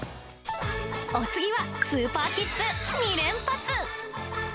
お次はスーパーキッズ、２連発！